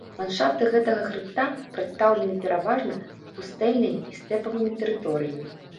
Ландшафты гэтага хрыбта прадстаўлены пераважна пустэльнымі і стэпавымі тэрыторыямі.